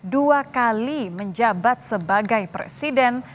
dua kali menjabat sebagai presiden